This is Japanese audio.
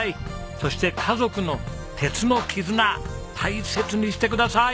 そして家族の鉄の絆大切にしてください。